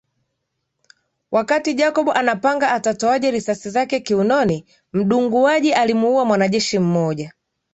Wakati Jacob anapanga atatoaje risasi zake kiunoni mdunguaji alimuua mwanajeshi mmoja